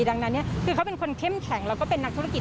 ดังนั้นคือเขาเป็นคนเข้มแข็งแล้วก็เป็นนักธุรกิจ